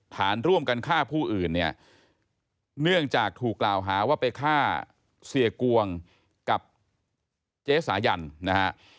ฐานร่วมกันฆ่าผู้อื่นเนี่ยเนื่องจากถูกกล่าวหาว่าไปฆ่าเสียกวงกับเจ๊สายันนะฮะ